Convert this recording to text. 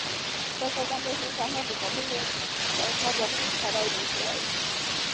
دا تازه مرچ نن سهار د کابل له شاوخوا باغونو څخه راوړل شوي.